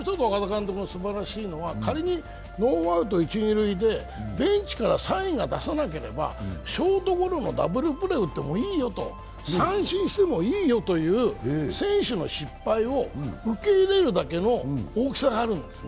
仮にノーアウト一・二塁でベンチからサインが出されなければ、ショートゴロのダブルプレーをしてもいいよと三振してもいいよという選手の失敗を受け入れるだけの大きさがあるんです。